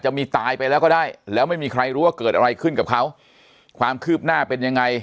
ตายไปแล้วก็ได้แล้วไม่มีใครรู้ว่าเกิดอะไรขึ้นกับเขาความคืบหน้าเป็นยังไง